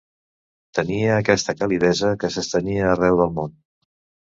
Tenia aquesta calidesa que s’estenia arreu del món.